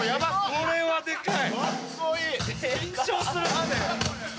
これはでかい。